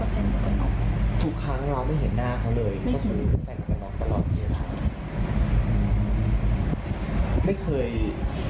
คือคือถ้ามันต้องหาทางที่ใหญ่ข่าวมากเฉพาะนะครับ